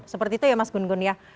seperti itu ya mas gun gun ya